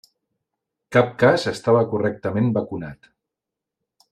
Cap cas estava correctament vacunat.